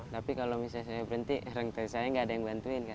tapi kalau misalnya saya berhenti rentari saya enggak ada yang bantuin kak